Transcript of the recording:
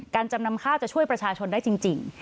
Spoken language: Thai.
จำนำข้าวจะช่วยประชาชนได้จริง